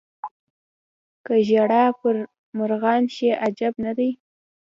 که ژړا پر مرغان شي عجب نه دی.